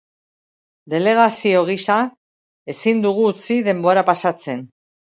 Delegazio gisa ezin dugu utzi denbora pasatzen.